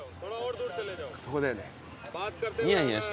そこだよね。